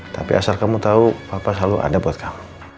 tapi asal kamu tahu apa selalu ada buat kamu